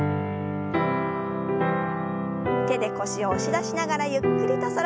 手で腰を押し出しながらゆっくりと反らせます。